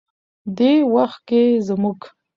دې وخت کې زموږ